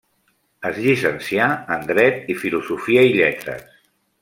Es llicencià en Dret i Filosofia i Lletres.